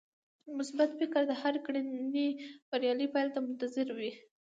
مثبت فکر د هرې کړنې بريالۍ پايلې ته منتظر وي.